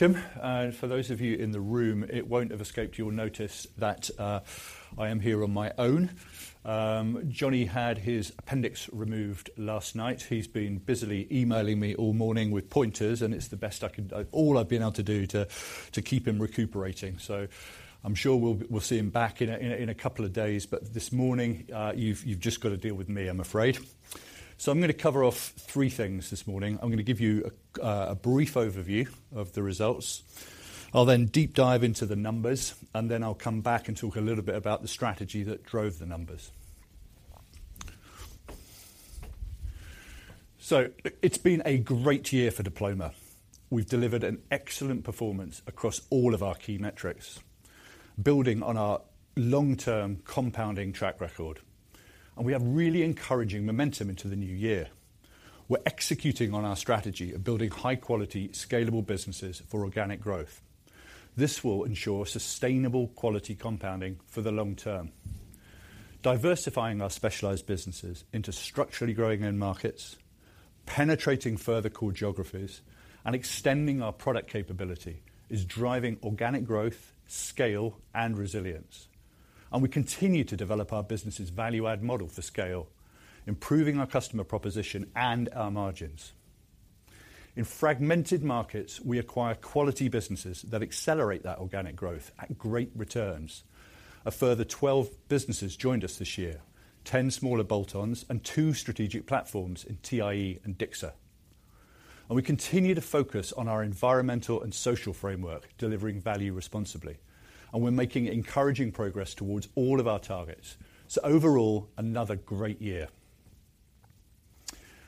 Welcome. For those of you in the room, it won't have escaped your notice that, I am here on my own. Johnny had his appendix removed last night. He's been busily emailing me all morning with pointers, and it's the best I could—all I've been able to do to keep him recuperating. So I'm sure we'll see him back in a couple of days, but this morning, you've just got to deal with me, I'm afraid. So I'm going to cover off three things this morning. I'm going to give you a brief overview of the results. I'll then deep dive into the numbers, and then I'll come back and talk a little bit about the strategy that drove the numbers. So it, it's been a great year for Diploma. We've delivered an excellent performance across all of our key metrics, building on our long-term compounding track record, and we have really encouraging momentum into the new year. We're executing on our strategy of building high quality, scalable businesses for organic growth. This will ensure sustainable quality compounding for the long term. Diversifying our specialized businesses into structurally growing end markets, penetrating further core geographies, and extending our product capability is driving organic growth, scale, and resilience, and we continue to develop our business' value add model for scale, improving our customer proposition and our margins. In fragmented markets, we acquire quality businesses that accelerate that organic growth at great returns. A further 12 businesses joined us this year, 10 smaller bolt-ons and two strategic platforms in TIE and DICSA. And we continue to focus on our environmental and social framework, delivering value responsibly, and we're making encouraging progress towards all of our targets. So overall, another great year.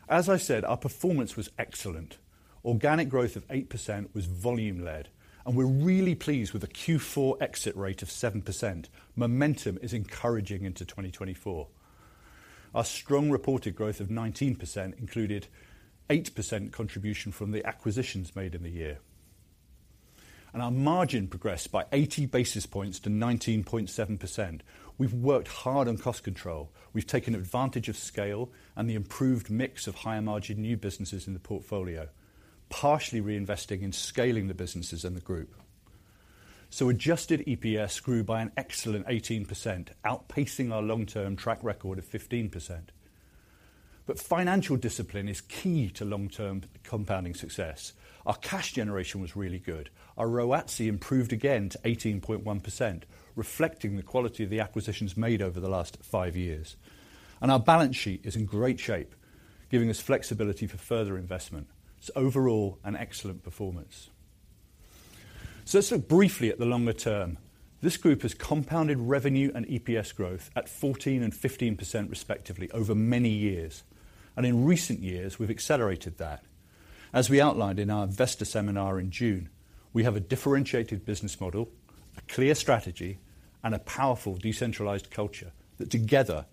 As I said, our performance was excellent. Organic growth of 8% was volume-led, and we're really pleased with the Q4 exit rate of 7%. Momentum is encouraging into 2024. Our strong reported growth of 19% included 8% contribution from the acquisitions made in the year, and our margin progressed by 80 basis points to 19.7%. We've worked hard on cost control. We've taken advantage of scale and the improved mix of higher margin new businesses in the portfolio, partially reinvesting in scaling the businesses in the group. So adjusted EPS grew by an excellent 18%, outpacing our long-term track record of 15%. But financial discipline is key to long-term compounding success. Our cash generation was really good. Our ROATCE improved again to 18.1%, reflecting the quality of the acquisitions made over the last 5 years, and our balance sheet is in great shape, giving us flexibility for further investment. So overall, an excellent performance. So let's look briefly at the longer term. This group has compounded revenue and EPS growth at 14% and 15% respectively over many years, and in recent years, we've accelerated that. As we outlined in our investor seminar in June, we have a differentiated business model, a clear strategy, and a powerful decentralized culture that together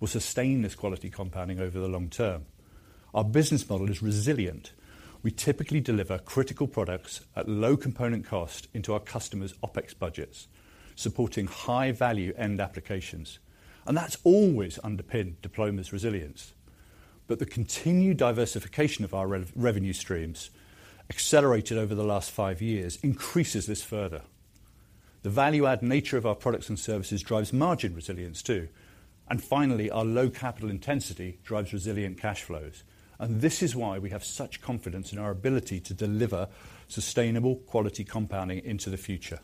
will sustain this quality compounding over the long term. Our business model is resilient. We typically deliver critical products at low component cost into our customers' OpEx budgets, supporting high-value end applications, and that's always underpinned Diploma's resilience. But the continued diversification of our revenue streams, accelerated over the last five years, increases this further. The value-add nature of our products and services drives margin resilience, too. And finally, our low capital intensity drives resilient cash flows, and this is why we have such confidence in our ability to deliver sustainable quality compounding into the future.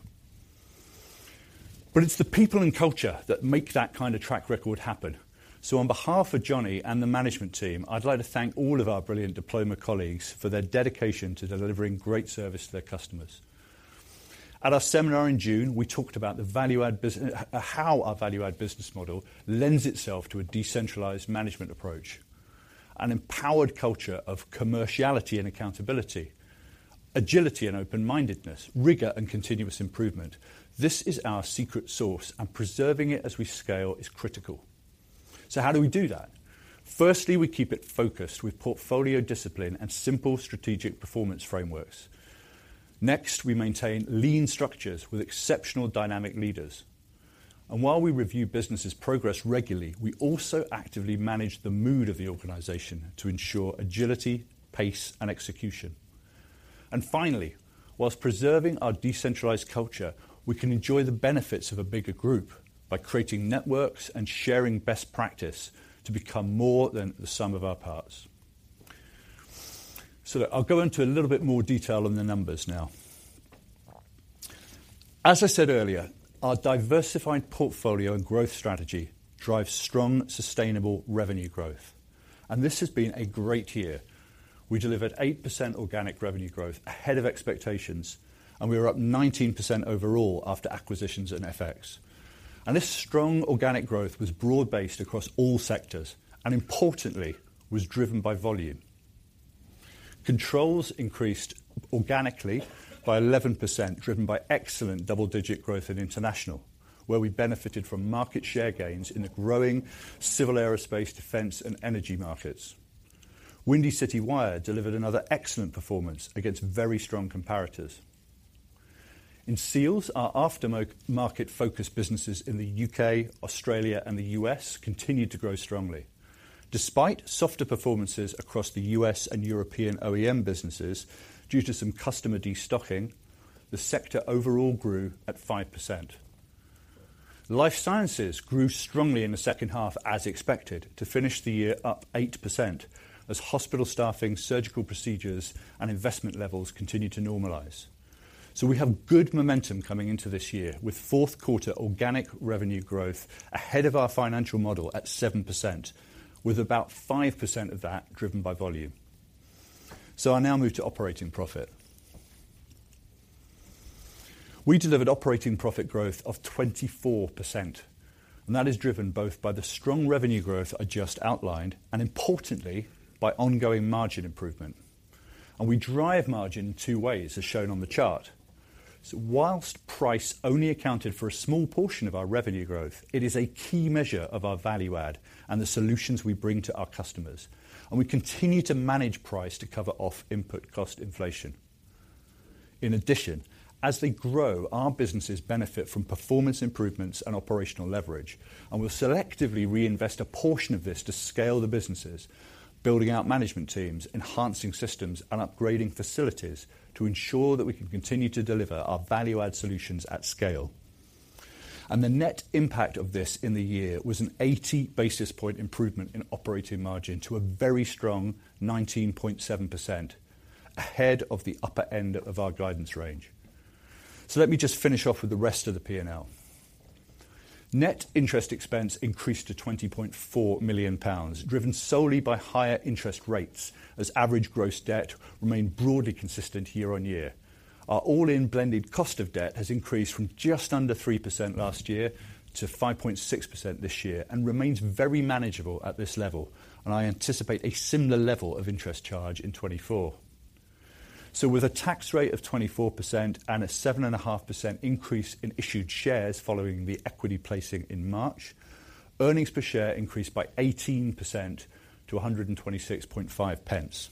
But it's the people and culture that make that kind of track record happen. So on behalf of Johnny and the management team, I'd like to thank all of our brilliant Diploma colleagues for their dedication to delivering great service to their customers. At our seminar in June, we talked about how our value add business model lends itself to a decentralized management approach, an empowered culture of commerciality and accountability, agility and open-mindedness, rigor and continuous improvement. This is our secret sauce, and preserving it as we scale is critical. So how do we do that? Firstly, we keep it focused with portfolio discipline and simple strategic performance frameworks. Next, we maintain lean structures with exceptional dynamic leaders. While we review businesses' progress regularly, we also actively manage the mood of the organization to ensure agility, pace, and execution. Finally, whilst preserving our decentralized culture, we can enjoy the benefits of a bigger group by creating networks and sharing best practice to become more than the sum of our parts. So I'll go into a little bit more detail on the numbers now. As I said earlier, our diversified portfolio and growth strategy drives strong, sustainable revenue growth, and this has been a great year. We delivered 8% organic revenue growth ahead of expectations, and we were up 19% overall after acquisitions and FX. This strong organic growth was broad-based across all sectors and importantly, was driven by volume. Controls increased organically by 11%, driven by excellent double-digit growth in international, where we benefited from market share gains in the growing civil aerospace, defense, and energy markets. Windy City Wire delivered another excellent performance against very strong comparatives. In Seals, our aftermarket-focused businesses in the U.K., Australia, and the U.S. continued to grow strongly. Despite softer performances across the U.S. and European OEM businesses due to some customer destocking, the sector overall grew at 5%. Life Sciences grew strongly in the second half, as expected, to finish the year up 8% as hospital staffing, surgical procedures, and investment levels continued to normalize. So we have good momentum coming into this year, with fourth quarter organic revenue growth ahead of our financial model at 7%, with about 5% of that driven by volume. So I now move to operating profit. We delivered operating profit growth of 24%, and that is driven both by the strong revenue growth I just outlined and importantly, by ongoing margin improvement, and we drive margin in two ways, as shown on the chart. So while price only accounted for a small portion of our revenue growth, it is a key measure of our value add and the solutions we bring to our customers, and we continue to manage price to cover off input cost inflation. In addition, as they grow, our businesses benefit from performance improvements and operational leverage, and we'll selectively reinvest a portion of this to scale the businesses, building out management teams, enhancing systems, and upgrading facilities to ensure that we can continue to deliver our value-add solutions at scale. And the net impact of this in the year was an 80 basis point improvement in operating margin to a very strong 19.7%, ahead of the upper end of our guidance range. So let me just finish off with the rest of the P&L. Net interest expense increased to 20.4 million pounds, driven solely by higher interest rates as average gross debt remained broadly consistent year-over-year. Our all-in blended cost of debt has increased from just under 3% last year to 5.6% this year and remains very manageable at this level, and I anticipate a similar level of interest charge in 2024. So with a tax rate of 24% and a 7.5% increase in issued shares following the equity placing in March, earnings per share increased by 18% to [126.5]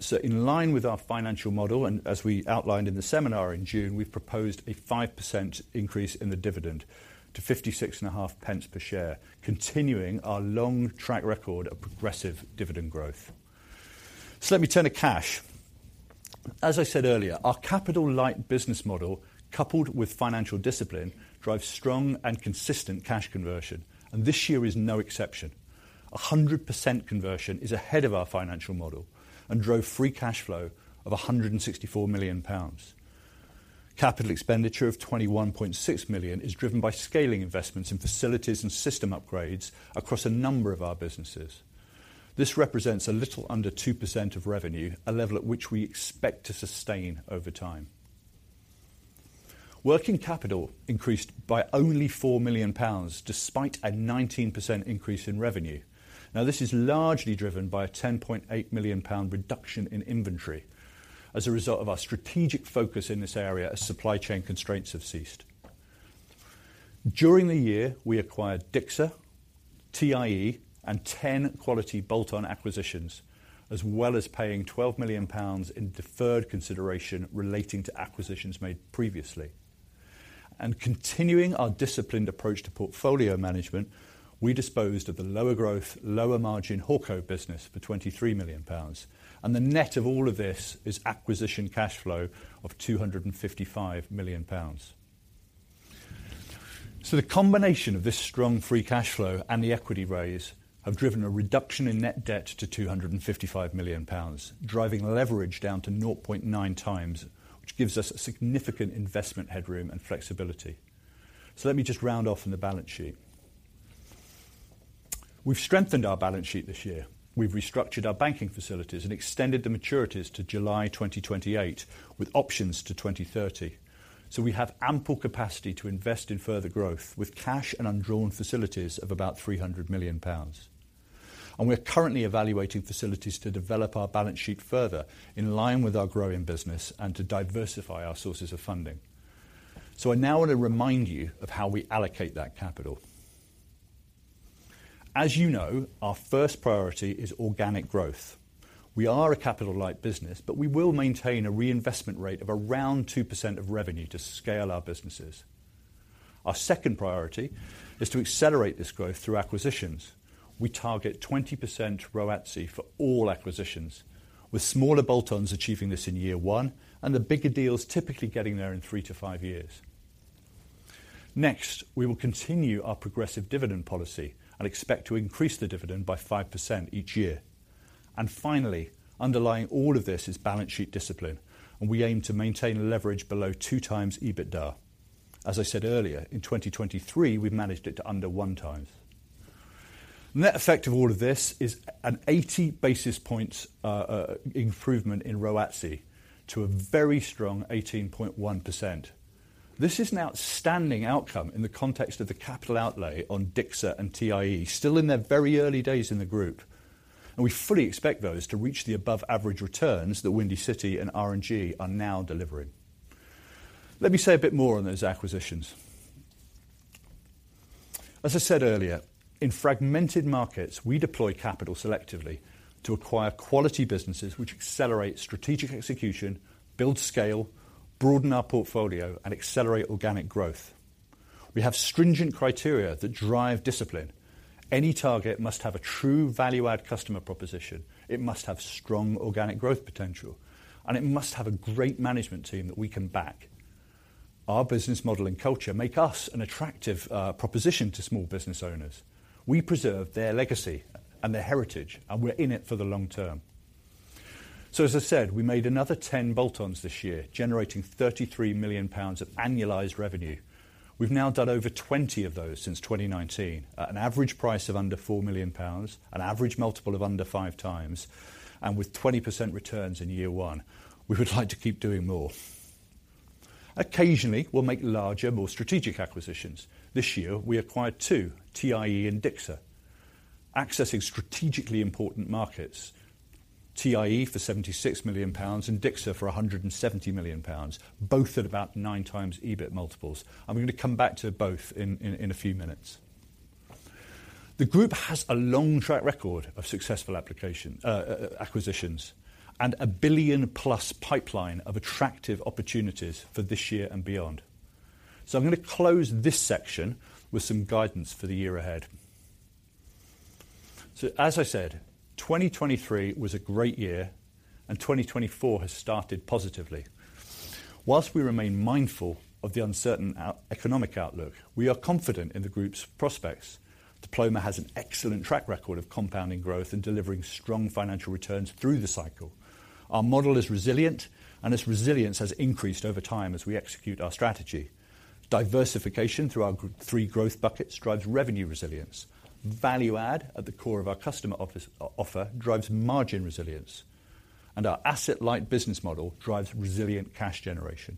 So in line with our financial model, and as we outlined in the seminar in June, we've proposed a 5% increase in the dividend to [56.5] per share, continuing our long track record of progressive dividend growth. So let me turn to cash. As I said earlier, our capital-light business model, coupled with financial discipline, drives strong and consistent cash conversion, and this year is no exception. 100% conversion is ahead of our financial model and drove free cash flow of 164 million pounds. Capital expenditure of 21.6 million is driven by scaling investments in facilities and system upgrades across a number of our businesses. This represents a little under 2% of revenue, a level at which we expect to sustain over time. Working capital increased by only 4 million pounds, despite a 19% increase in revenue. Now, this is largely driven by a 10.8 million pound reduction in inventory as a result of our strategic focus in this area as supply chain constraints have ceased. During the year, we acquired DICSA, TIE, and 10 quality bolt-on acquisitions, as well as paying 12 million pounds in deferred consideration relating to acquisitions made previously. Continuing our disciplined approach to portfolio management, we disposed of the lower growth, lower margin Hawco business for 23 million pounds, and the net of all of this is acquisition cash flow of 255 million pounds. The combination of this strong free cash flow and the equity raise have driven a reduction in net debt to 255 million pounds, driving leverage down to 0.9x, which gives us significant investment headroom and flexibility. Let me just round off in the balance sheet. We've strengthened our balance sheet this year. We've restructured our banking facilities and extended the maturities to July 2028, with options to 2030. So we have ample capacity to invest in further growth with cash and undrawn facilities of about 300 million pounds. We're currently evaluating facilities to develop our balance sheet further in line with our growing business and to diversify our sources of funding. So I now want to remind you of how we allocate that capital. As you know, our first priority is organic growth. We are a capital-light business, but we will maintain a reinvestment rate of around 2% of revenue to scale our businesses. Our second priority is to accelerate this growth through acquisitions. We target 20% ROATCE for all acquisitions, with smaller bolt-ons achieving this in year one and the bigger deals typically getting there in three to five years. Next, we will continue our progressive dividend policy and expect to increase the dividend by 5% each year. And finally, underlying all of this is balance sheet discipline, and we aim to maintain leverage below 2x EBITDA. As I said earlier, in 2023, we've managed it to under 1x. Net effect of all of this is an 80 basis points improvement in ROATCE to a very strong 18.1%. This is an outstanding outcome in the context of the capital outlay on DICSA and TIE, still in their very early days in the group, and we fully expect those to reach the above-average returns that Windy City and R&G are now delivering. Let me say a bit more on those acquisitions. As I said earlier, in fragmented markets, we deploy capital selectively to acquire quality businesses which accelerate strategic execution, build scale, broaden our portfolio, and accelerate organic growth. We have stringent criteria that drive discipline. Any target must have a true value-add customer proposition. It must have strong organic growth potential, and it must have a great management team that we can back. Our business model and culture make us an attractive proposition to small business owners. We preserve their legacy and their heritage, and we're in it for the long term. So as I said, we made another 10 bolt-ons this year, generating 33 million pounds of annualized revenue. We've now done over 20 of those since 2019 at an average price of under 4 million pounds, an average multiple of under 5x, and with 20% returns in year one. We would like to keep doing more. Occasionally, we'll make larger, more strategic acquisitions. This year we acquired two, TIE and DICSA, accessing strategically important markets. TIE Industrial for GBP 76 million and DICSA for GBP 170 million, both at about 9x EBIT multiples. I'm going to come back to both in a few minutes. The group has a long track record of successful application, acquisitions and a billion plus pipeline of attractive opportunities for this year and beyond. I'm going to close this section with some guidance for the year ahead. As I said, 2023 was a great year, and 2024 has started positively. While we remain mindful of the uncertain economic outlook, we are confident in the group's prospects. Diploma has an excellent track record of compounding growth and delivering strong financial returns through the cycle. Our model is resilient, and its resilience has increased over time as we execute our strategy. Diversification through our group's three growth buckets drives revenue resilience. Value add, at the core of our customer office, offer, drives margin resilience, and our asset-light business model drives resilient cash generation.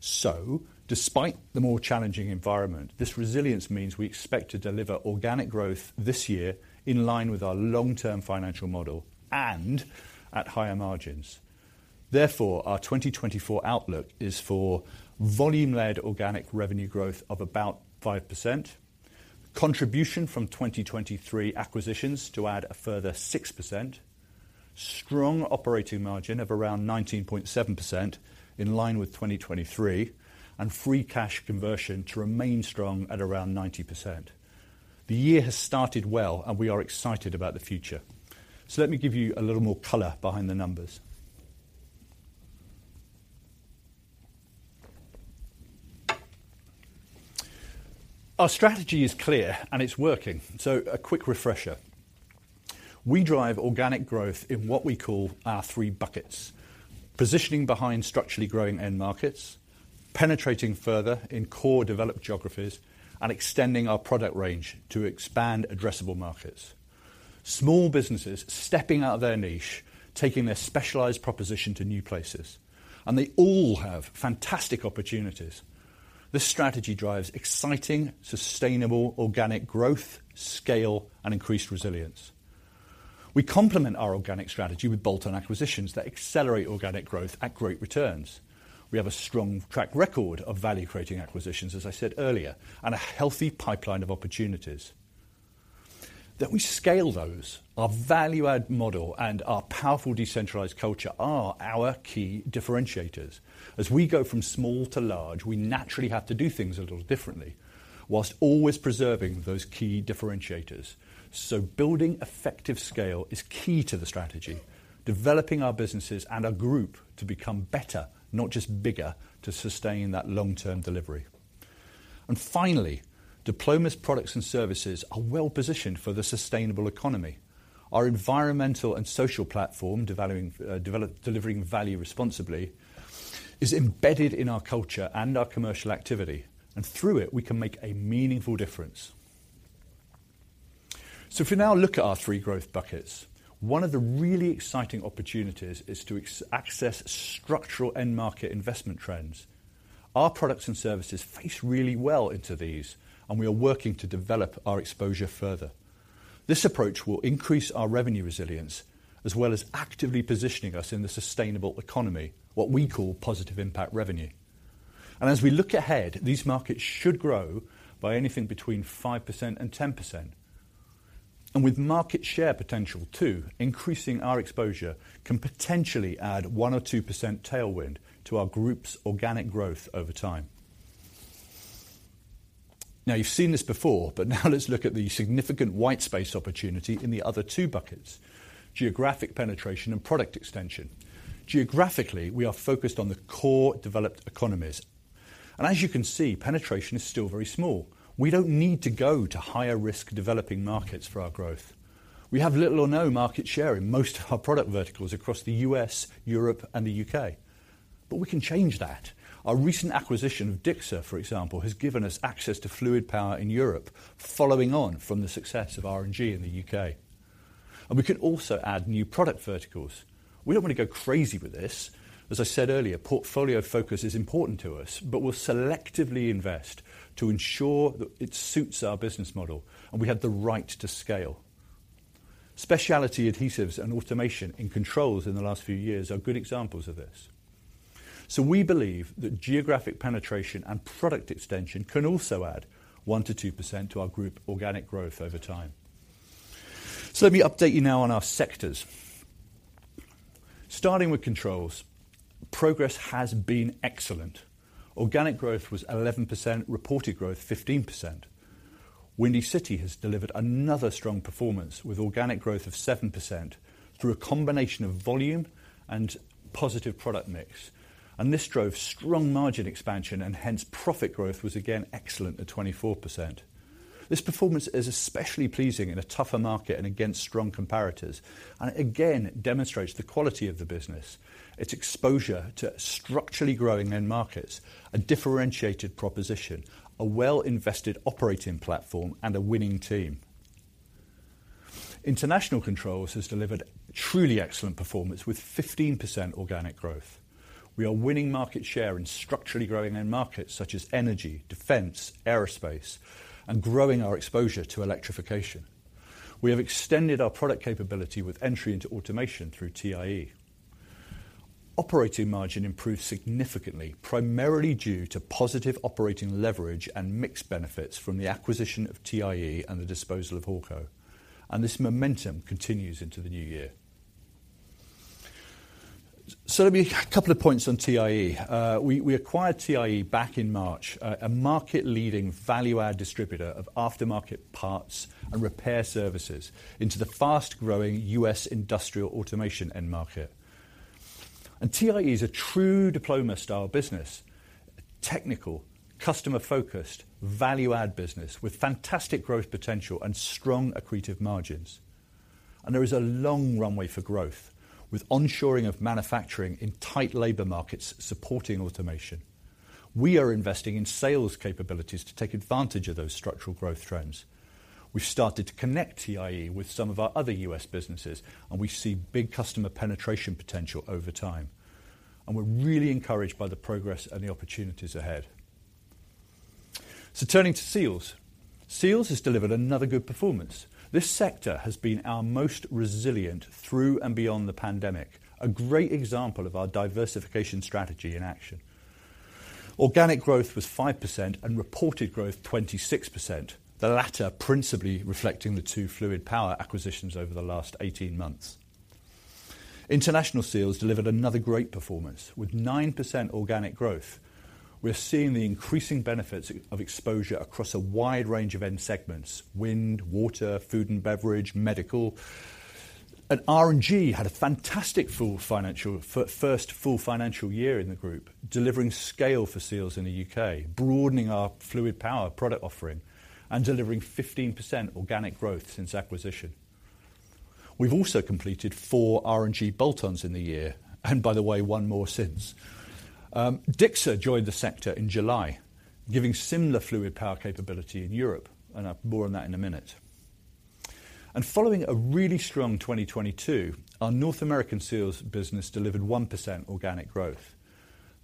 So despite the more challenging environment, this resilience means we expect to deliver organic growth this year in line with our long-term financial model and at higher margins. Therefore, our 2024 outlook is for volume-led organic revenue growth of about 5%, contribution from 2023 acquisitions to add a further 6%, strong operating margin of around 19.7% in line with 2023, and free cash conversion to remain strong at around 90%. The year has started well, and we are excited about the future. So let me give you a little more color behind the numbers. Our strategy is clear, and it's working. So a quick refresher. We drive organic growth in what we call our three buckets: positioning behind structurally growing end markets, penetrating further in core developed geographies, and extending our product range to expand addressable markets. Small businesses stepping out of their niche, taking their specialized proposition to new places, and they all have fantastic opportunities. This strategy drives exciting, sustainable organic growth, scale, and increased resilience. We complement our organic strategy with bolt-on acquisitions that accelerate organic growth at great returns. We have a strong track record of value-creating acquisitions, as I said earlier, and a healthy pipeline of opportunities. That we scale those, our value-add model, and our powerful decentralized culture are our key differentiators. As we go from small to large, we naturally have to do things a little differently, whilst always preserving those key differentiators. So building effective scale is key to the strategy, developing our businesses and our group to become better, not just bigger, to sustain that long-term delivery. And finally, Diploma's products and services are well-positioned for the sustainable economy. Our environmental and social platform, delivering value responsibly, is embedded in our culture and our commercial activity, and through it, we can make a meaningful difference. So if you now look at our three growth buckets, one of the really exciting opportunities is to access structural end market investment trends. Our products and services fit really well into these, and we are working to develop our exposure further. This approach will increase our revenue resilience, as well as actively positioning us in the sustainable economy, what we call positive impact revenue. And as we look ahead, these markets should grow by anything between 5% and 10%. With market share potential too, increasing our exposure can potentially add 1% or 2% tailwind to our group's organic growth over time. Now, you've seen this before, but now let's look at the significant white space opportunity in the other two buckets: geographic penetration and product extension. Geographically, we are focused on the core developed economies, and as you can see, penetration is still very small. We don't need to go to higher-risk developing markets for our growth. We have little or no market share in most of our product verticals across the U.S., Europe, and the U.K., but we can change that. Our recent acquisition of DICSA, for example, has given us access to fluid power in Europe, following on from the success of R&G in the U.K., and we can also add new product verticals. We don't want to go crazy with this. As I said earlier, portfolio focus is important to us, but we'll selectively invest to ensure that it suits our business model and we have the right to scale. Specialty adhesives and automation in Controls in the last few years are good examples of this. So we believe that geographic penetration and product extension can also add 1%-2% to our group organic growth over time. So let me update you now on our sectors. Starting with Controls, progress has been excellent. Organic growth was 11%, reported growth 15%. Windy City has delivered another strong performance, with organic growth of 7% through a combination of volume and positive product mix, and this drove strong margin expansion and hence profit growth was again excellent at 24%. This performance is especially pleasing in a tougher market and against strong comparators, and again, demonstrates the quality of the business, its exposure to structurally growing end markets and differentiated proposition, a well-invested operating platform and a winning team. International Controls has delivered truly excellent performance with 15% organic growth. We are winning market share in structurally growing end markets such as energy, defense, aerospace, and growing our exposure to electrification. We have extended our product capability with entry into automation through TIE. Operating margin improved significantly, primarily due to positive operating leverage and mix benefits from the acquisition of TIE and the disposal of Hawco, and this momentum continues into the new year. So let me make a couple of points on TIE. We acquired TIE back in March, a market-leading value-add distributor of aftermarket parts and repair services into the fast-growing U.S. industrial automation end market. And TIE is a true diploma-style business, technical, customer-focused, value-add business with fantastic growth potential and strong accretive margins. And there is a long runway for growth, with onshoring of manufacturing in tight labor markets supporting automation. We are investing in sales capabilities to take advantage of those structural growth trends. We've started to connect TIE with some of our other U.S. businesses, and we see big customer penetration potential over time, and we're really encouraged by the progress and the opportunities ahead. So turning to Seals. Seals has delivered another good performance. This sector has been our most resilient through and beyond the pandemic, a great example of our diversification strategy in action. Organic growth was 5% and reported growth 26%, the latter principally reflecting the two fluid power acquisitions over the last 18 months. International Seals delivered another great performance with 9% organic growth. We are seeing the increasing benefits of exposure across a wide range of end segments: wind, water, food and beverage, medical. R&G had a fantastic first full financial year in the group, delivering scale for Seals in the U.K., broadening our fluid power product offering and delivering 15% organic growth since acquisition. We've also completed four R&G bolt-ons in the year, and by the way, one more since. DICSA joined the sector in July, giving similar fluid power capability in Europe, and more on that in a minute. Following a really strong 2022, our North American Seals business delivered 1% organic growth.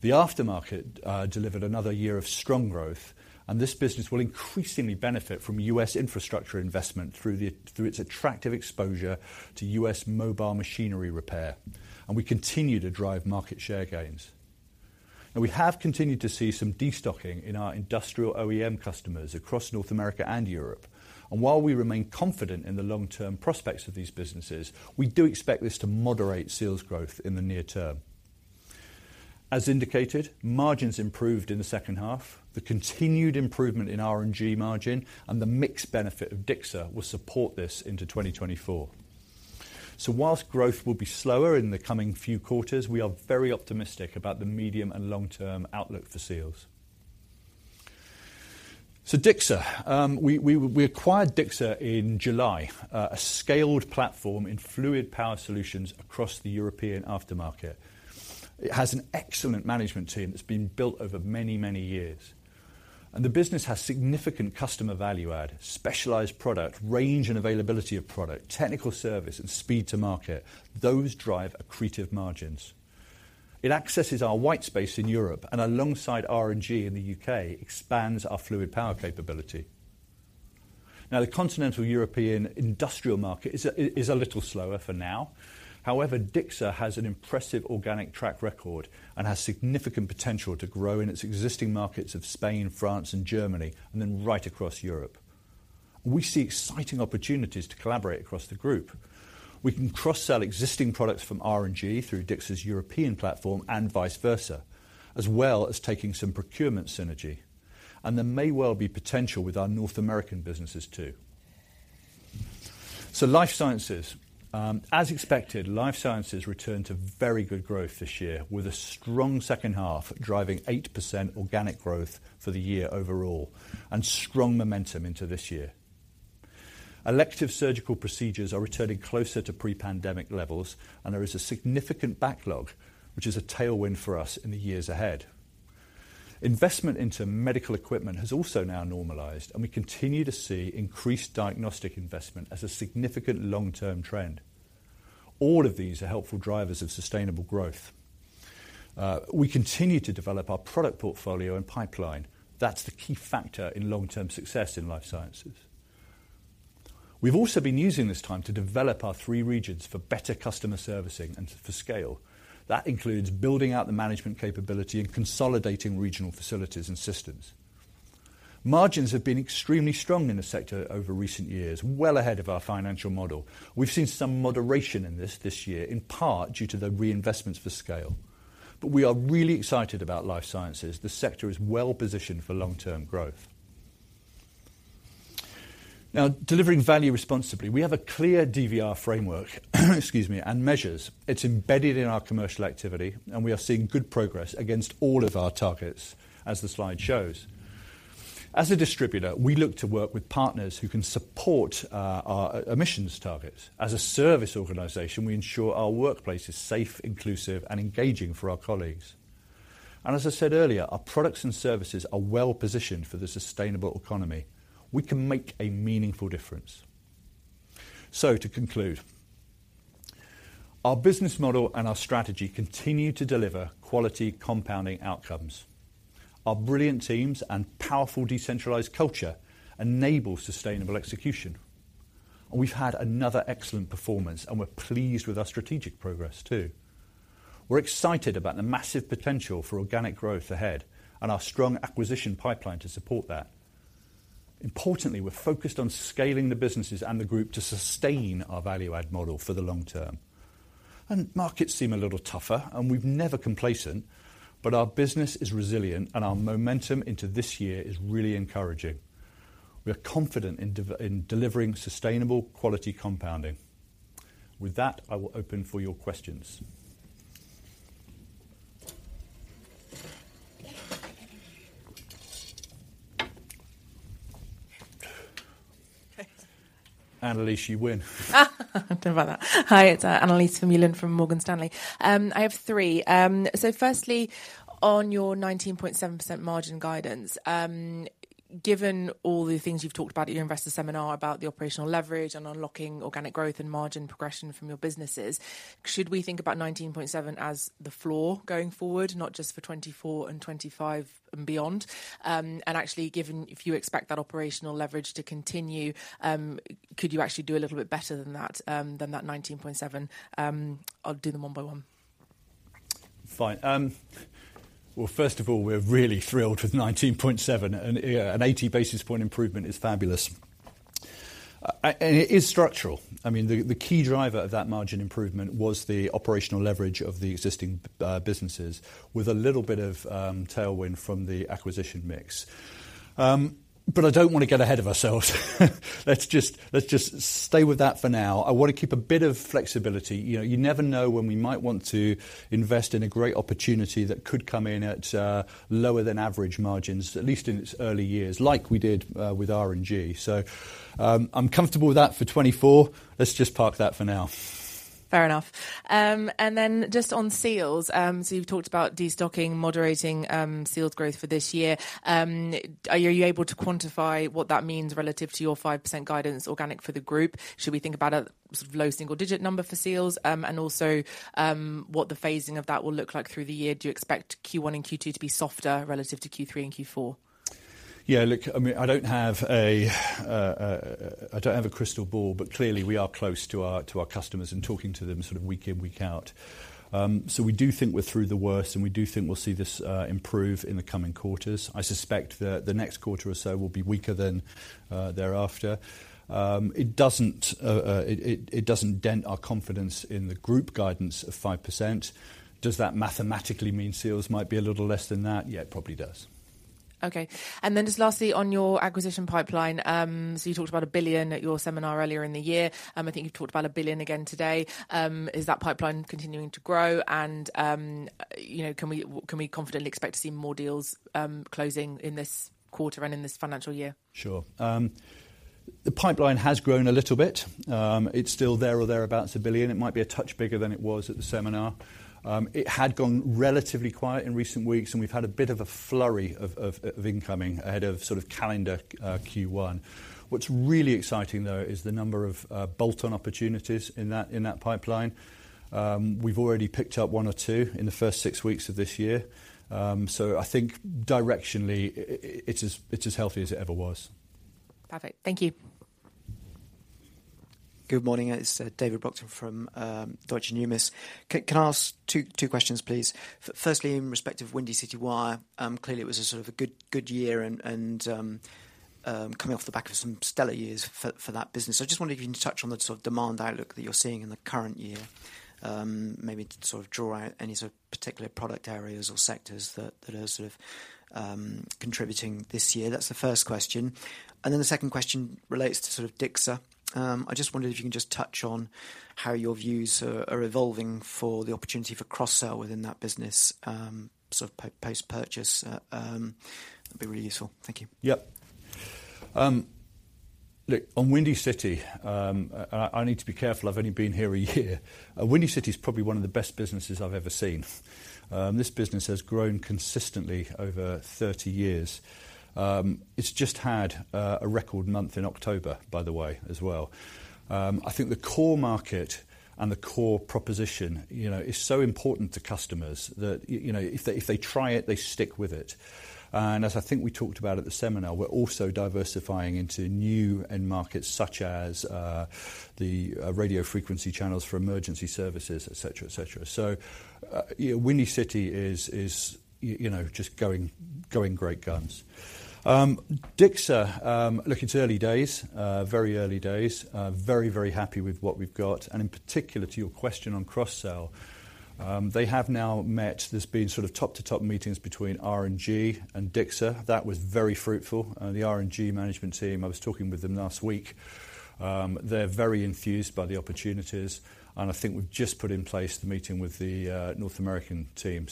The aftermarket delivered another year of strong growth, and this business will increasingly benefit from U.S. infrastructure investment through its attractive exposure to U.S. mobile machinery repair, and we continue to drive market share gains. Now, we have continued to see some destocking in our industrial OEM customers across North America and Europe, and while we remain confident in the long-term prospects of these businesses, we do expect this to moderate sales growth in the near term. As indicated, margins improved in the second half. The continued improvement in R&G margin and the mixed benefit of DICSA will support this into 2024. So while growth will be slower in the coming few quarters, we are very optimistic about the medium and long-term outlook for Seals. So DICSA, we acquired DICSA in July, a scaled platform in fluid power solutions across the European aftermarket. It has an excellent management team that's been built over many, many years, and the business has significant customer value add, specialized product, range and availability of product, technical service, and speed to market. Those drive accretive margins. It accesses our white space in Europe and, alongside R&G in the U.K., expands our fluid power capability. Now, the continental European industrial market is a little slower for now. However, DICSA has an impressive organic track record and has significant potential to grow in its existing markets of Spain, France, and Germany, and then right across Europe. We see exciting opportunities to collaborate across the group. We can cross-sell existing products from R&G through DICSA's European platform and vice versa, as well as taking some procurement synergy, and there may well be potential with our North American businesses too. So Life Sciences. As expected, Life Sciences returned to very good growth this year, with a strong second half, driving 8% organic growth for the year overall and strong momentum into this year. Elective surgical procedures are returning closer to pre-pandemic levels, and there is a significant backlog, which is a tailwind for us in the years ahead. Investment into medical equipment has also now normalized, and we continue to see increased diagnostic investment as a significant long-term trend. All of these are helpful drivers of sustainable growth. We continue to develop our product portfolio and pipeline. That's the key factor in long-term success in Life Sciences. We've also been using this time to develop our three regions for better customer servicing and for scale. That includes building out the management capability and consolidating regional facilities and systems. Margins have been extremely strong in the sector over recent years, well ahead of our financial model. We've seen some moderation in this year, in part due to the reinvestments for scale. But we are really excited about Life Sciences. The sector is well positioned for long-term growth. Now, delivering value responsibly. We have a clear DVR framework, excuse me, and measures. It's embedded in our commercial activity, and we are seeing good progress against all of our targets, as the slide shows. As a distributor, we look to work with partners who can support our emissions targets. As a service organization, we ensure our workplace is safe, inclusive, and engaging for our colleagues. As I said earlier, our products and services are well positioned for the sustainable economy. We can make a meaningful difference. To conclude, our business model and our strategy continue to deliver quality compounding outcomes. Our brilliant teams and powerful decentralized culture enable sustainable execution, and we've had another excellent performance, and we're pleased with our strategic progress, too. We're excited about the massive potential for organic growth ahead and our strong acquisition pipeline to support that. Importantly, we're focused on scaling the businesses and the group to sustain our value-add model for the long term. Markets seem a little tougher, and we're never complacent, but our business is resilient, and our momentum into this year is really encouraging. We are confident in delivering sustainable quality compounding. With that, I will open for your questions. Annelies, [you're in] Don't worry about that. Hi, it's Annelies Vermeulen from Morgan Stanley. I have three. So firstly, on your 19.7% margin guidance, given all the things you've talked about at your investor seminar, about the operational leverage and unlocking organic growth and margin progression from your businesses, should we think about 19.7% as the floor going forward, not just for 2024 and 2025 and beyond? And actually, given if you expect that operational leverage to continue, could you actually do a little bit better than that, than that 19.7%? I'll do them one by one. Fine. Well, first of all, we're really thrilled with 19.7%, and, yeah, an 80 basis point improvement is fabulous. It is structural. I mean, the key driver of that margin improvement was the operational leverage of the existing businesses, with a little bit of tailwind from the acquisition mix. But I don't want to get ahead of ourselves. Let's just stay with that for now. I want to keep a bit of flexibility. You know, you never know when we might want to invest in a great opportunity that could come in at lower-than-average margins, at least in its early years, like we did with R&G. So, I'm comfortable with that for 2024. Let's just park that for now. Fair enough. Then just on Seals. So you've talked about destocking, moderating, Seals growth for this year. Are you able to quantify what that means relative to your 5% guidance organic for the group? Should we think about a sort of low single-digit number for Seals? Also, what the phasing of that will look like through the year. Do you expect Q1 and Q2 to be softer relative to Q3 and Q4? Yeah, look, I mean, I don't have a crystal ball, but clearly, we are close to our, to our customers and talking to them sort of week in, week out. So we do think we're through the worst, and we do think we'll see this improve in the coming quarters. I suspect that the next quarter or so will be weaker than thereafter. It doesn't dent our confidence in the group guidance of 5%. Does that mathematically mean Seals might be a little less than that? Yeah, it probably does. Okay. And then just lastly, on your acquisition pipeline, so you talked about 1 billion at your seminar earlier in the year. I think you talked about 1 billion again today. Is that pipeline continuing to grow? And, you know, can we, can we confidently expect to see more deals closing in this quarter and in this financial year? Sure. The pipeline has grown a little bit. It's still there or thereabouts, 1 billion. It might be a touch bigger than it was at the seminar. It had gone relatively quiet in recent weeks, and we've had a bit of a flurry of incoming ahead of sort of calendar Q1. What's really exciting, though, is the number of bolt-on opportunities in that pipeline. We've already picked up one or two in the first six weeks of this year. So I think directionally, it's as healthy as it ever was. Perfect. Thank you. Good morning. It's David Brockton from Deutsche Numis. Can I ask two questions, please? Firstly, in respect of Windy City Wire, clearly it was a sort of a good, good year and coming off the back of some stellar years for that business. I just wondered if you can touch on the sort of demand outlook that you're seeing in the current year, maybe to sort of draw out any sort of particular product areas or sectors that are sort of contributing this year. That's the first question. And then the second question relates to sort of DICSA. I just wondered if you can just touch on how your views are evolving for the opportunity for cross-sell within that business, sort of post-purchase? That'd be really useful. Thank you. Yep. Look, on Windy City, I need to be careful. I've only been here a year. Windy City is probably one of the best businesses I've ever seen. This business has grown consistently over 30 years. It's just had a record month in October, by the way, as well. I think the core market and the core proposition, you know, is so important to customers that, you know, if they try it, they stick with it. And as I think we talked about at the seminar, we're also diversifying into new end markets, such as the radio frequency channels for emergency services, et cetera, et cetera. So, yeah, Windy City is, you know, just going great guns. DICSA, look, it's early days, very early days. Very, very happy with what we've got. In particular, to your question on cross-sell, they have now met. There's been sort of top-to-top meetings between R&G and DICSA. That was very fruitful. The R&G management team, I was talking with them last week. They're very enthused by the opportunities, and I think we've just put in place the meeting with the North American team.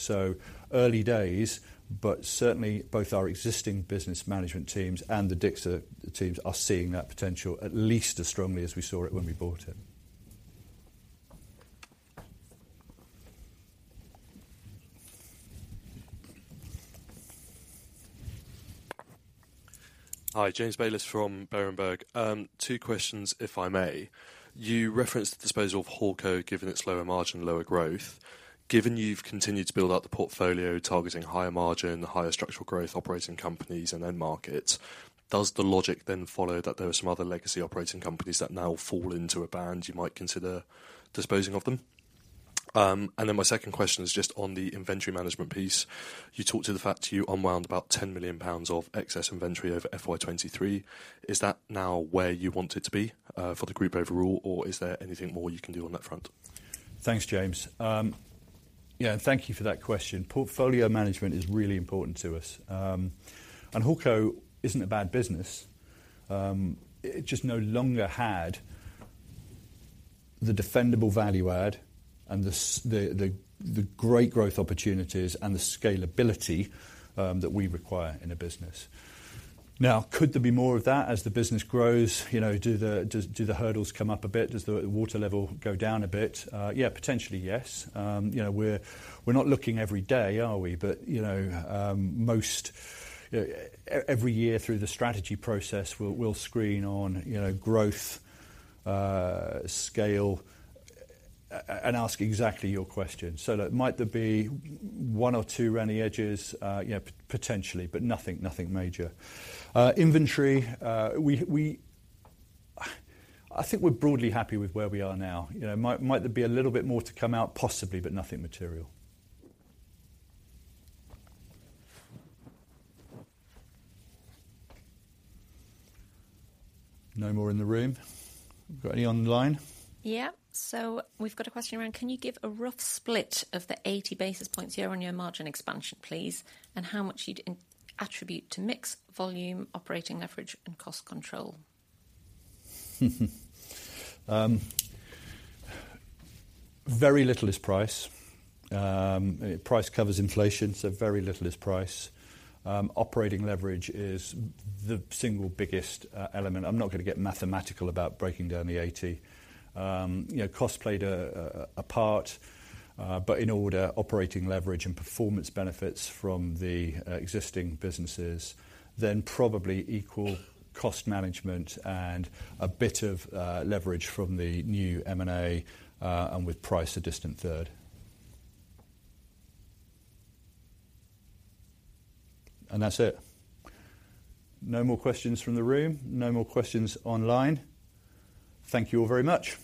Early days, but certainly both our existing business management teams and the DICSA teams are seeing that potential at least as strongly as we saw it when we bought it. Hi, James Bayliss from Berenberg. Two questions, if I may. You referenced the disposal of Hawco, given its lower margin, lower growth. Given you've continued to build out the portfolio, targeting higher margin, higher structural growth, operating companies and end markets, does the logic then follow that there are some other legacy operating companies that now fall into a band you might consider disposing of them? And then my second question is just on the inventory management piece. You talked to the fact you unwound about 10 million pounds of excess inventory over FY 2023. Is that now where you want it to be, for the group overall, or is there anything more you can do on that front? Thanks, James. Yeah, and thank you for that question. Portfolio management is really important to us. And Hawco isn't a bad business. It just no longer had the defendable value add and the great growth opportunities and the scalability that we require in a business. Now, could there be more of that as the business grows? You know, does the hurdles come up a bit? Does the water level go down a bit? Yeah, potentially, yes. You know, we're not looking every day, are we? But, you know, most every year through the strategy process, we'll screen on, you know, growth, scale, and ask exactly your question. So look, might there be one or two runny edges? Yeah, potentially, but nothing, nothing major. Inventory, I think we're broadly happy with where we are now. You know, might there be a little bit more to come out? Possibly, but nothing material. No more in the room. Got any online? Yeah. So we've got a question around: Can you give a rough split of the 80 basis points year-on-year margin expansion, please, and how much you'd attribute to mix, volume, operating leverage, and cost control? Very little is price. Price covers inflation, so very little is price. Operating leverage is the single biggest element. I'm not going to get mathematical about breaking down the 80. You know, cost played a part, but in order operating leverage and performance benefits from the existing businesses, then probably equal cost management and a bit of leverage from the new M&A, and with price, a distant third. And that's it. No more questions from the room? No more questions online. Thank you all very much.